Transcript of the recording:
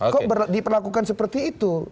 kok diperlakukan seperti itu